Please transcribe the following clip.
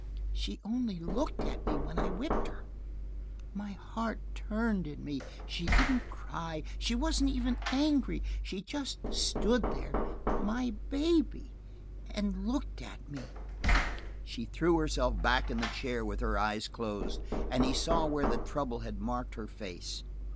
"She only looked at me when I whipped her. My heart turned in me. She didn't cry; she wasn't even angry. She just stood there my baby! and looked at me!" She threw herself back in the chair with her eyes closed, and he saw where the trouble had marked her face.